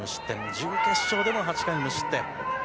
準決勝でも８回無失点。